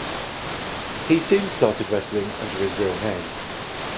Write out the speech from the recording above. He soon started wrestling under his real name.